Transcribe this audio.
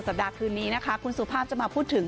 คืนนี้นะคะคุณสุภาพจะมาพูดถึง